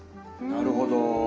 なるほど。